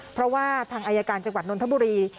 เพราะว่าทางอายการจังหวัดนนทบุรี